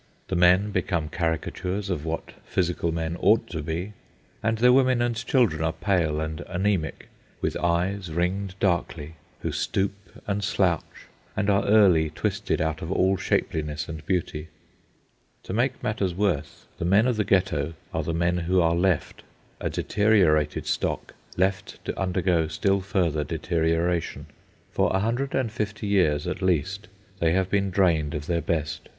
The men become caricatures of what physical men ought to be, and their women and children are pale and anæmic, with eyes ringed darkly, who stoop and slouch, and are early twisted out of all shapeliness and beauty. To make matters worse, the men of the Ghetto are the men who are left—a deteriorated stock, left to undergo still further deterioration. For a hundred and fifty years, at least, they have been drained of their best.